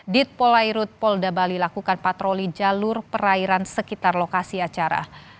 dit polairut polda bali lakukan patroli jalur perairan sekitar lokasi acara